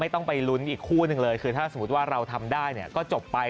ต้องไปลุ้นอีกคู่หนึ่งเลยคือถ้าสมมุติว่าเราทำได้เนี่ยก็จบไป